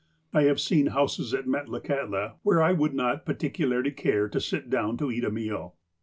I have seen houses at Metlakahtla where I would not particularly care to sit down to eat a meal.